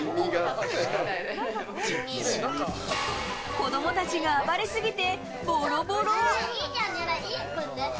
子供たちが暴れすぎてボロボロ。